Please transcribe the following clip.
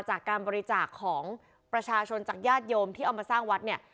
จากการบริจาคของประชาชนจากญาติโยมที่เอามาสร้างวัดเนี่ย